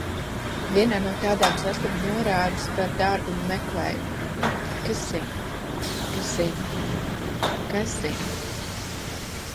Vienā no tādām sastapu norādes par dārgumu meklējumiem. Kas zina. Kas zina. Kas zina.